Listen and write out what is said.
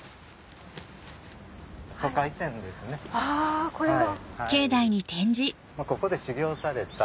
あこれが。